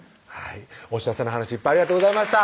お幸せな話いっぱいありがとうございました